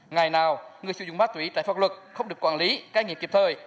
ngày nào người sử dụng ma túy cháy pháp luật không được quản lý cao nghiện kịp thời